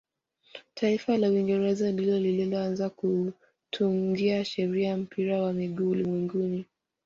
taifa la uingereza ndilo lililoanza kuutungia sheria mpira wa miguu ulimwenguni